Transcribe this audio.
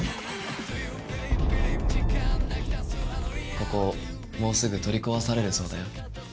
ここもうすぐ取り壊されるそうだよ。